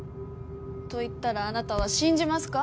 と言ったらあなたは信じますか？